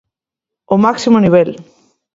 Ao máximo nivel.